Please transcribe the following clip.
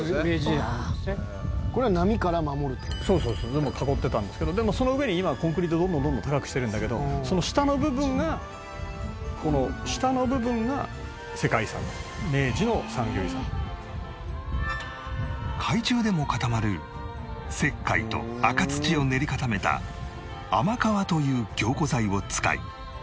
「全部囲ってたんですけどでもその上に今はコンクリートでどんどんどんどん高くしてるんだけどその下の部分がこの下の部分が世界遺産」「明治の産業遺産」海中でも固まる石灰と赤土を練り固めた天川という凝固剤を使い